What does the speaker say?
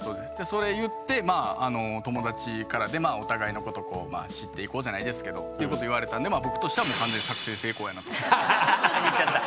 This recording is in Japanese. それ言ってまあ友達からでお互いのことを知っていこうじゃないですけどっていうことを言われたんで僕としては完全作戦成功やなと。言っちゃった。